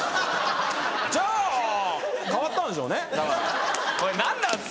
じゃあ変わったんでしょうねだから。